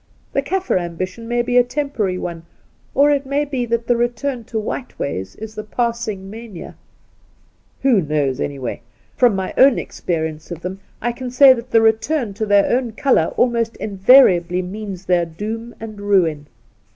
The Kaffir ambition may be a temporary one, or it may be that the return to white ways is the passing mania. Who knows, any way ? From my own experience of them, I can say that the return to their own colour almost invariably means their doom and ruin.